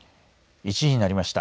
１時になりました。